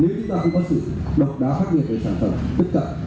nếu chúng ta không có sự độc đáo phát hiện về sản phẩm tích cực